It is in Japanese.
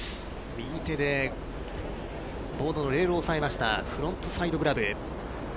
右手でボードのレールを押さえました、フロントサイドグラブ。